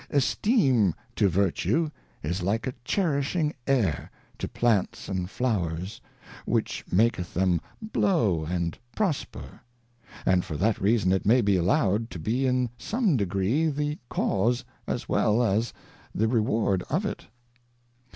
Esteem to Vertue is like a cherishing Air to Plants and Flowers, which maketh them blow and prosper ; and for that reason it may be allowed to be in some degree the Cause as well as the Reward of it.